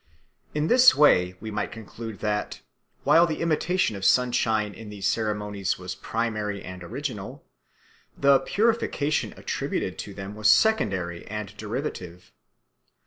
In this way we might conclude that, while the imitation of sunshine in these ceremonies was primary and original, the purification attributed to them was secondary and derivative.